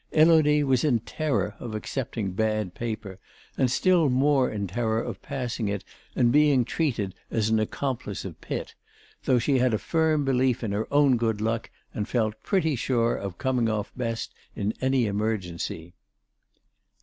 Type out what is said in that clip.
Élodie was in terror of accepting bad paper, and still more in terror of passing it and being treated as an accomplice of Pitt, though she had a firm belief in her own good luck and felt pretty sure of coming off best in any emergency.